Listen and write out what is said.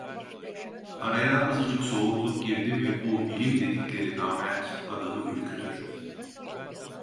Araya azıcık soğukluk girdi mi bu bilim dedikleri namert, adamı ürkütür.